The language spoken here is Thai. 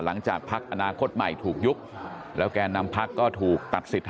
หลังจากพักอนาคตใหม่ถูกยุก